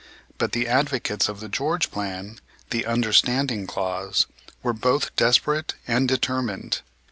But the advocates of the George plan, the "understanding clause," were both desperate and determined.